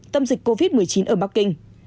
tâm dịch covid một mươi chín ở bắc kinh